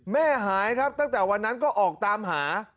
แม่หายครับตั้งแต่วันนั้นก็ออกตามหา